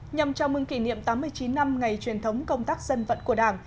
nhằm chào mừng kỷ niệm tám mươi chín năm ngày truyền thống công tác dân vận của đảng